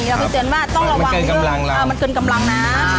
เราเคยเตือนว่าต้องระวังเป็นเกินกำลังนะ